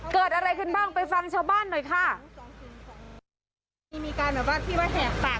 เกิดอะไรขึ้นบ้างไปฟังชาวบ้านหน่อยค่ะ